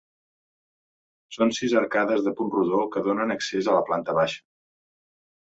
Són sis arcades de punt rodó que donen accés a la planta baixa.